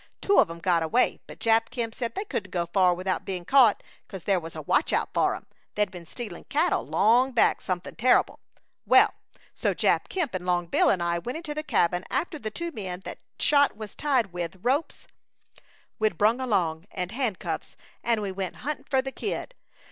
Two of 'em got away, but Jap Kemp said they couldn't go far without being caught, 'cause there was a watch out for 'em they'd been stealing cattle long back something terrible. Well, so Jap Kemp and Long Bill and I went into the cabin after the two men that shot was tied with ropes we'd brung along, and handcuffs, and we went hunting for the Kid.